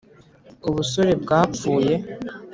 ubusore bwapfuye